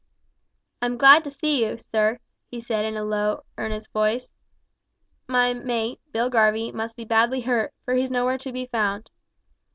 "I'm glad to see you, sir," he said in a low, earnest voice. "My mate, Bill Garvie, must be badly hurt, for he's nowhere to be found.